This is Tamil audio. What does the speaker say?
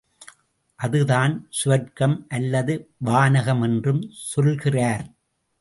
அதுதான் சுவர்க்கம் அல்லது வானகம் என்றும் சொல்கிறார்.